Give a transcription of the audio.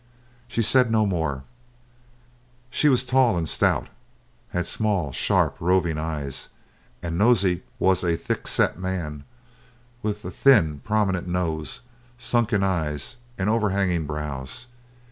She said no more. She was tall and stout, had small, sharp, roving eyes; and Nosey was a thick set man, with a thin, prominent nose, sunken eyes, and overhanging brows.